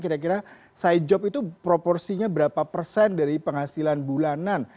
kira kira side job itu proporsinya berapa persen dari penghasilan bulanan